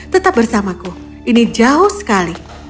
tetap bersamaku ini jauh sekali